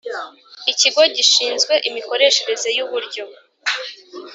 ikigo gishinzwe imikoreshereze y uburyo